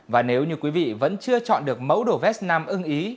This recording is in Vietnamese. và nếu như quý vị vẫn chưa chọn được mẫu đồ vest nam ưng ý